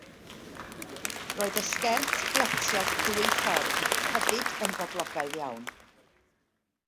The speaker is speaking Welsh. Roedd y sgert bletiog ddwyffordd hefyd yn boblogaidd iawn.